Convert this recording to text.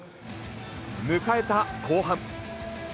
迎えた後半。